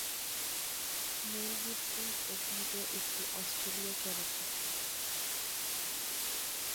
Mail Gibson অভিনীত একটি অস্ট্রেলীয় চলচ্চিত্র।